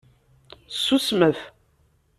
Ssusmet!